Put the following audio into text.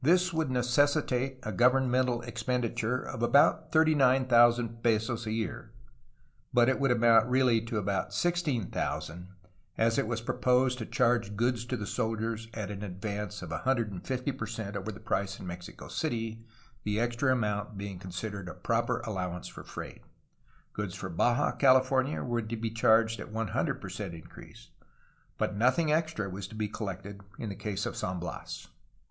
This would necessitate a govern mental expenditure of about 39,000 pesos a year, but it would amount really to about 16,000, at it was proposed to charge goods to the soldiers at an advance of 150 per cent over the price in Mexico City, the extra amount being con sidered a proper allowance for freight. Goods for Baja California were to be charged at 100 per cent increase, but nothing extra was to be collected in the case of San Bias.